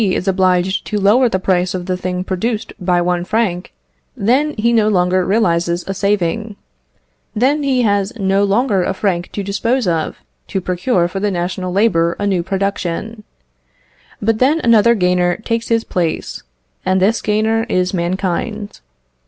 is obliged to lower the price of the thing produced by one franc, then he no longer realises a saving; then he has no longer a franc to dispose of to procure for the national labour a new production. But then another gainer takes his place, and this gainer is mankind.